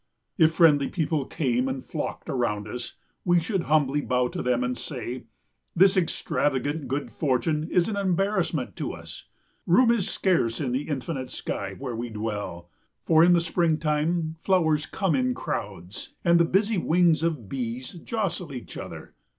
If friendly people came and flocked around us, we should humbly bow to them and say, This extravagant good fortune is an embarrassment to us. Room is scarce in the infinite sky where we dwell. For in the springtime flowers come in crowds, and the busy wings of bees jostle each other.